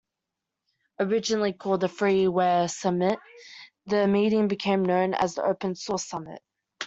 Originally called the freeware summit, the meeting became known as the Open Source Summit.